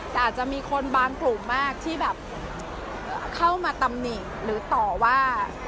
แต่อาจจะมีคนบางกลุ่มมากที่แบบเข้ามาตำหนิหรือต่อว่า